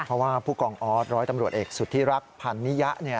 เพราะว่าผู้กองออสร้อยตำรวจเอกสุธิรักษ์พันนิยะ